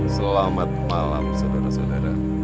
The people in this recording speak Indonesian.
selamat malam saudara saudara